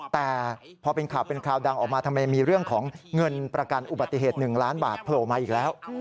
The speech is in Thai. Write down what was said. แต่พอเป็นข่าวเป็นคราวดังออกมาทำไมมีเรื่องของเงินประกันอุบัติเหตุ๑ล้านบาทโผล่มาอีกแล้ว